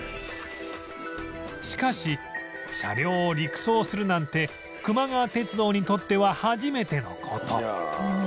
しかし車両を陸送するなんてくま川鉄道にとっては初めての事